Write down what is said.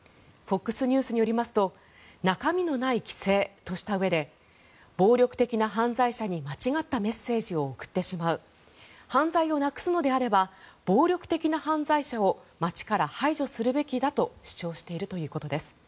ＦＯＸニュースによりますと中身のない規制としたうえで暴力的な犯罪者に間違ったメッセージを送ってしまう犯罪をなくすのであれば暴力的な犯罪者を街から排除するべきだと主張しているということです。